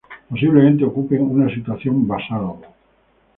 Posiblemente ocupen una situación basal.